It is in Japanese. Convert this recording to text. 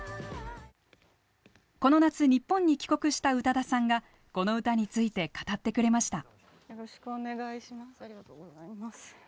この夏、日本に帰国した宇多田さんがこの歌について語ってくれました。